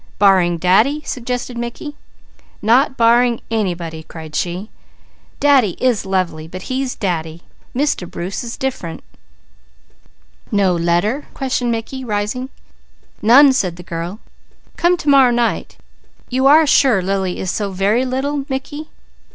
"Barring Daddy?" suggested Mickey. "Not barring anybody!" cried she. "Daddy is lovely, but he's Daddy! Mr. Bruce is different!" "No letter?" questioned Mickey, rising. "None!" said the girl. "Come to morrow night. You are sure Lily is so very little, Mickey?"